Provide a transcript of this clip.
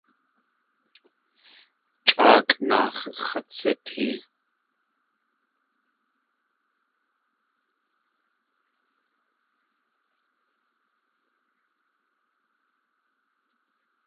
Chʼáakʼ naax̲ x̲at sitee.